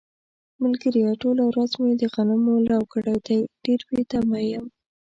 ملگریه ټوله ورځ مې د غنمو لو کړی دی، ډېر بې دمه یم.